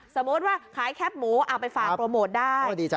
สมมุติว่าขายแคปหมูเอาไปฝากโปรโมทได้